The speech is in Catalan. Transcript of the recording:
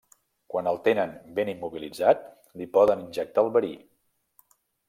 Quan el tenen ben immobilitzat li poden injectar el verí.